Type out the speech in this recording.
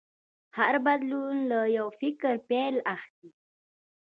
هر بدلون له یو فکر پیل اخلي.